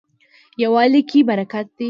یووالي کې برکت دی